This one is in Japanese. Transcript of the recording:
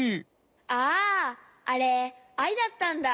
あああれアイだったんだ？